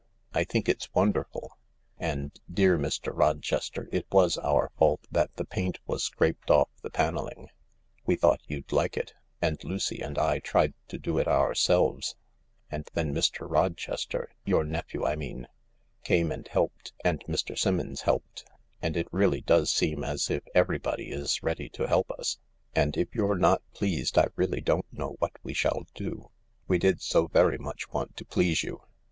I think it's wonderful. And, dear Mr. Rochester, it was our fault that the paint was scraped off the panelling; we thought you'd like it, and Lucy and I tried to do it ourselves, and then Mr. Rochester— your nephew I mean— came and helped, and Mr. Simmons helped, and it really does seem as if everybody is ready to help us, and if you're not pleased I really don't know what we shall do. THE LARK 125 We did so very much want to please you.